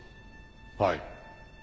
はい。